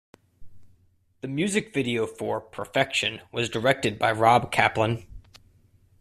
The music video for "Perfection" was directed by Rob Kaplan.